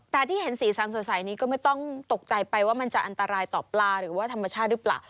แต่ที่เห็นสีสันสดใสนี้ก็ไม่ต้องตกใจไปว่ามันจะอันตรายต่อปลาหรือว่าธรรมชาติหรือเปล่า